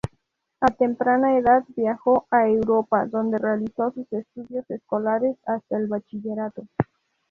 A temprana edad viajó a Europa donde realizó sus estudios escolares hasta el bachillerato.